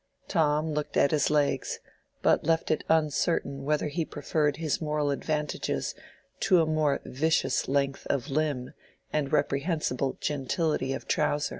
Tom looked at his legs, but left it uncertain whether he preferred his moral advantages to a more vicious length of limb and reprehensible gentility of trouser.